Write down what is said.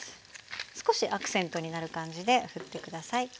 少しアクセントになる感じでふって下さい。